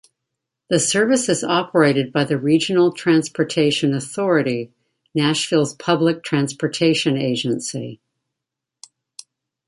The service is operated by the Regional Transportation Authority, Nashville's public transportation agency.